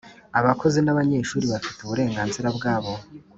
Abakozi nabanyeshuri bafite uburenganzira bwabo